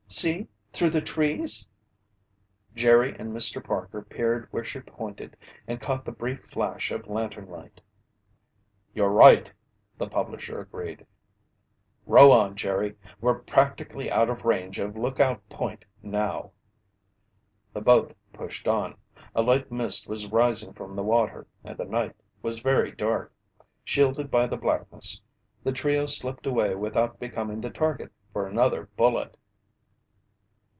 See through the trees!" Jerry and Mr. Parker peered where she pointed and caught the brief flash of lantern light. "You're right!" the publisher agreed. "Row on, Jerry! We're practically out of range of Lookout Point now." The boat pushed on. A light mist was rising from the water and the night was very dark. Shielded by the blackness, the trio slipped away without becoming the target for another bullet.